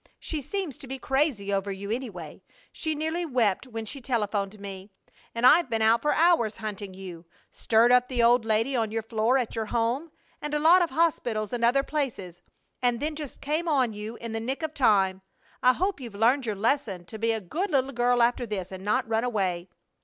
She seems to be crazy over you, anyway. She nearly wept when she telephoned me. And I've been out for hours hunting you, stirred up the old lady on your floor at your home, and a lot of hospitals and other places, and then just came on you in the nick of time. I hope you've learned your lesson, to be a good little girl after this and not run away."